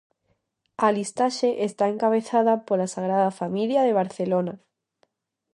A listaxe está encabezada pola Sagrada Familia de Barcelona.